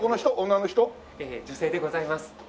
女性でございます。